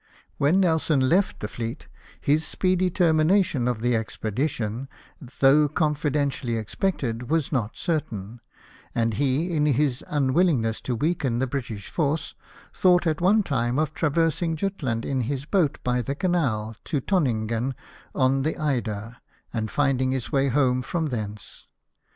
When Nelson left the fleet, this speedy ter mination of the expedition, though confidently ex pected, was not certain ; and he, in his unwillingness to weaken the British force, thought at one time of traversing Jutland in his boat, by the canal, to Tonningen on the Eyder, and finding his way home from thence.